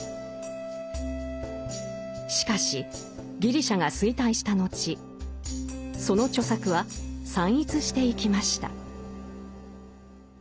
しかしギリシャが衰退した後その著作は散逸していきました。